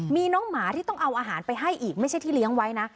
มีน้องหมาที่ต้องเอาอาหารไปให้อีกไม่ใช่ที่เลี้ยงไว้นะ